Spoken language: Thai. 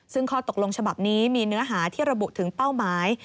ซึ่งข้อตกลงฉบับนี้มีเนื้อหาที่ระบุถึงเป้าหมาย